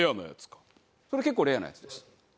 それ結構レアなやつです。